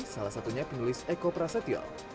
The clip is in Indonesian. salah satunya penulis eko prasetyo